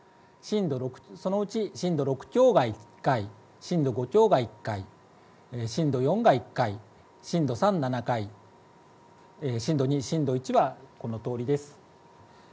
そのうち震度６強が１回震度５強が１回震度４が１回震度３、７回震度２、震度１はこのとおりです。